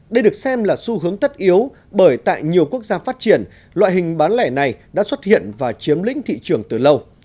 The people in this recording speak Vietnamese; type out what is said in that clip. đây được xem là xu hướng tất yếu bởi tại nhiều quốc gia phát triển loại hình bán lẻ này đã xuất hiện và chiếm lĩnh thị trường từ lâu